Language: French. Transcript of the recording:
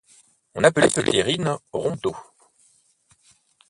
On appelait ces terrines ronds d'eau.